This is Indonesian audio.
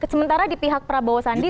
sementara di pihak prabowo sandi